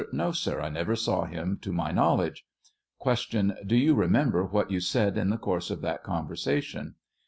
No, sir; I never saw him to my knowledge. Q. Do you remember what you said in the course of that conversation?